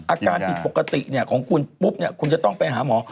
อาการผิดปกติของคุณปุ๊บคุณจะต้องไปหาหมอ